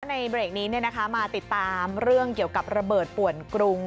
ในเบรกนี้มาติดตามเรื่องเกี่ยวกับระเบิดป่วนกรุง